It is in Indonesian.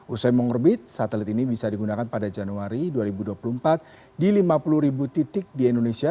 usai mengorbit satelit ini bisa digunakan pada januari dua ribu dua puluh empat di lima puluh ribu titik di indonesia